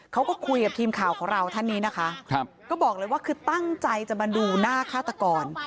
เขาก็คุยกับทีมข่าวของเราท่านนี้นะคะก็บอกเลยว่าคือตั้งใจจะมาดูหน้าฆาตกร